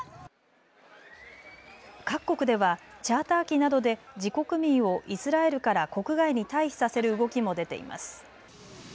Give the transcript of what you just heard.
各国ではチャーター機などで自国民をイスラエルから国外に退避させる動きも出ています。